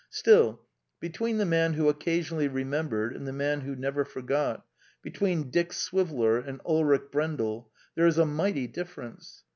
Still, between the man who occasionally remembered and the man who never forgot, between Dick Swiveller and Ulrik Brendel, there is a mighty difference.